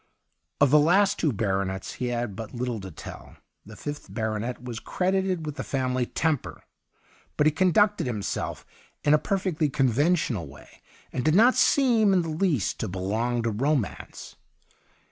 Of the last two baronets he had but little to tell. The fifth baronet was credited with the family temper, but he conducted himself in a per fectly conventional way, and did not seem in the least to belong to romance.